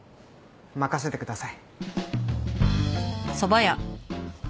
任せてください。